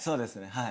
はい。